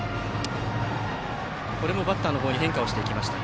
これもバッターの方に変化をしていきました。